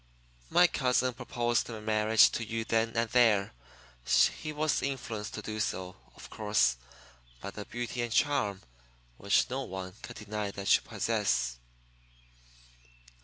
My cousin proposed marriage to you then and there. He was influenced to do so, of course, by the beauty and charm which no one can deny that you possess."